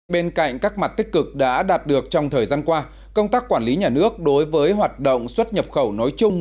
bên cạnh các mặt tích cực đã đạt được trong thời gian qua công tác quản lý nhà nước đối với hoạt động xuất nhập khẩu nói chung